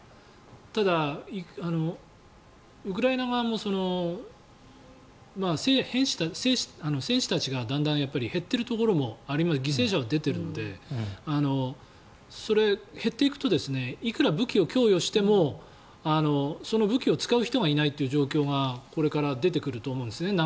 ただ、ウクライナ側も戦士たちが減っているところもありますので犠牲者は出ているので減っていくといくら武器を供与してもその武器を使う人がいないという状況がこれから出てくると思うんですね。